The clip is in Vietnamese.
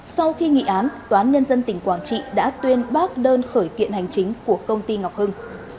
sau khi nghị án tòa án nhân dân tỉnh quảng trị đã tuyên bác đơn khởi kiện hành chính của công ty ngọc hưng